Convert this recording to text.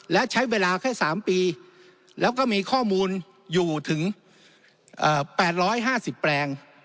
และใช้เวลาแค่๓ปีแล้วก็มีข้อมูลอยู่ถึง๘๕๐แปลง